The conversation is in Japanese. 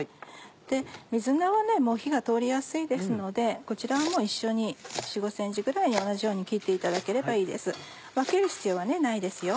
で水菜はもう火が通りやすいですのでこちらはもう一緒に４５ｃｍぐらいに同じように切っていただければいいです分ける必要はないですよ。